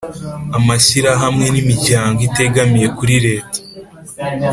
amashyirahamwe n'imiryango itegamiye kuri leta